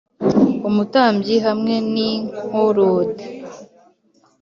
umutambyi hamwe n inkorod